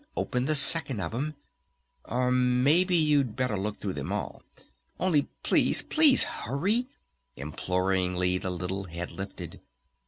Open the second of 'em.... Or maybe you'd better look through all of them.... Only please ... please hurry!" Imploringly the little head lifted.